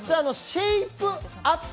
シェイプアップ！